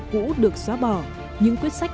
cũ được xóa bỏ những quyết sách